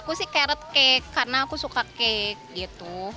aku sih carrot cake karena aku suka cake gitu